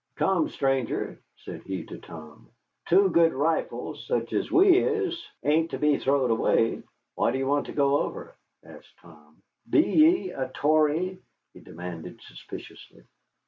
"Come, stranger," said he to Tom, "two good rifles such as we is ain't to be throwed away." "Why do you want to go over?" asked Tom. "Be ye a Tory?" he demanded suspiciously.